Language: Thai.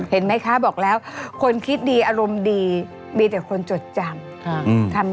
เห็นไหมคะบอกแล้วคนคิดดีอารมณ์ดีมีแต่คนจดจำ